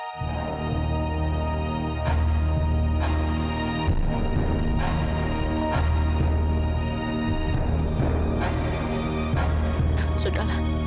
karena buat raya pria mama